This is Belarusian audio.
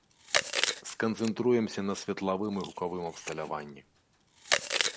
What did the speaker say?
Сканцэнтруемся на светлавым і гукавым абсталяванні.